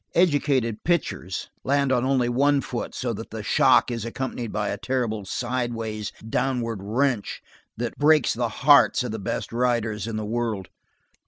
Educated "pitchers" land on only one foot, so that the shock is accompanied by a terrible sidewise, downward wrench that breaks the hearts of the best riders in the world.